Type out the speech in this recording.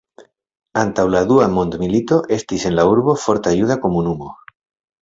Antaŭ la Dua mondmilito estis en la urbo forta juda komunumo.